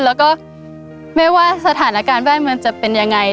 แล้วก็ไม่ว่าสถานการณ์แวดมันจะเป็นยังไง